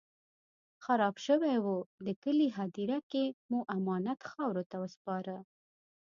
خراب شوی و، د کلي په هديره کې مو امانت خاورو ته وسپاره.